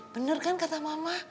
bener kan kata mama